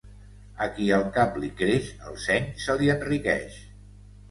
A qui el cap li creix, el seny se li enriqueix.